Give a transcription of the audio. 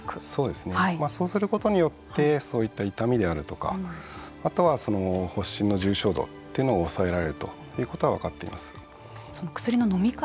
そうすることによってそういった痛みであるとかあとは、発疹の重症度というのを抑えられるということが分かっています。